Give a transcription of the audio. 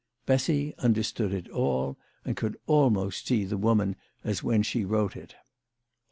Bessy understood it all, and could almost see the woman as she wrote it.